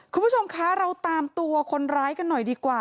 คุณผู้ชมคะเราตามตัวคนร้ายกันหน่อยดีกว่า